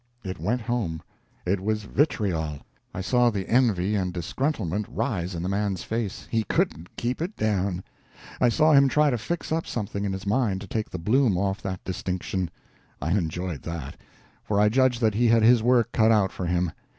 It went home! It was vitriol! I saw the envy and disgruntlement rise in the man's face; he couldn't keep it down. I saw him try to fix up something in his mind to take the bloom off that distinction. I enjoyed that, for I judged that he had his work cut out for him.